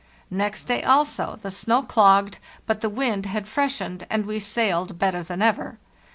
Next day, also, the snow clogged, but the wind had fresh ened, and we sailed better than ever.